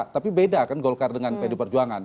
tapi beda kan golkar dengan pd perjuangan